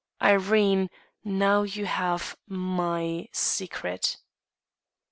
Irene, now you have my secret."